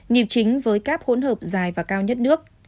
nhịp chính với các hỗn hợp dài và cao nhất nước